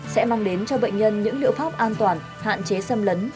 sẽ mang đến cho bệnh nhân những liệu pháp an toàn hạn chế xâm lấn